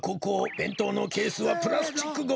べんとうのケースはプラスチックゴミね。